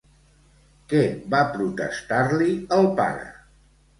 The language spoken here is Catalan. Què va protestar-li el pare?